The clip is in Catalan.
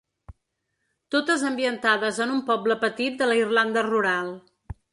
Totes ambientades en un poble petit de la Irlanda rural.